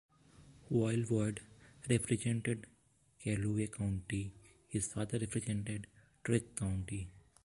While Boyd represented Calloway County, his father represented Trigg County.